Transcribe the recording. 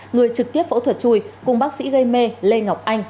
người trực tiếp phẫu thuật chui cùng bác sĩ gây mê lê ngọc anh